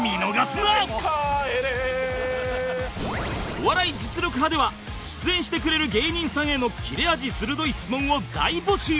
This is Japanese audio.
『お笑い実力刃』では出演してくれる芸人さんへの切れ味鋭い質問を大募集